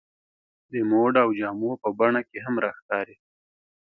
د موډ او جامو په بڼه کې هم راښکاري.